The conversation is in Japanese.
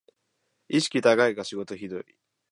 意識高いが仕事ひどい